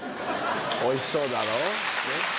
おいしそうだろ？